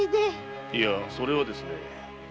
いやそれはですね。